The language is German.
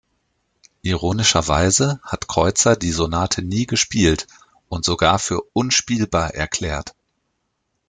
Ironischerweise hat Kreutzer die Sonate nie gespielt und sogar für unspielbar erklärt.